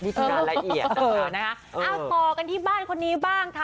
เอ่อต่อกันที่บ้านคนนี้บ้าง